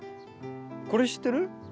これ知ってる？